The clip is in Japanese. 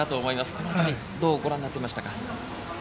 この辺りどうご覧になってました。